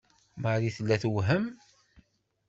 Marie tella tewhem.